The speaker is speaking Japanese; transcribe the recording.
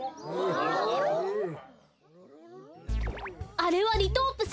あれはリトープス！